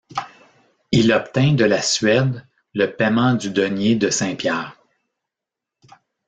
Il obtint de la Suède le paiement du denier de Saint-Pierre.